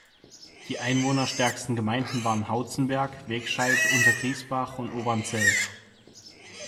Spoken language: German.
Die einwohnerstärksten Gemeinden waren Hauzenberg, Wegscheid, Untergriesbach und Obernzell.